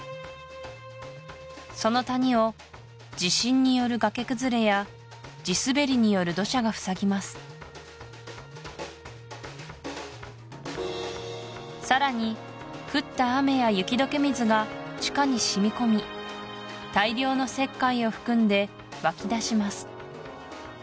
その谷を地震による崖崩れや地滑りによる土砂がふさぎますさらに降った雨や雪解け水が地下にしみ込み大量の石灰を含んで湧き出します